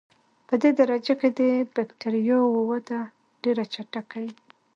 پدې درجه کې د بکټریاوو وده ډېره چټکه وي.